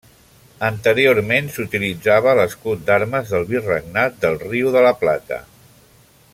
Anteriorment s'utilitzava l'escut d'armes del virregnat del Riu de la Plata.